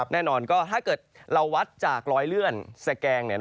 แน่นอนก็ถ้าเกิดเราวัดจากรอยเลื่อนสแกง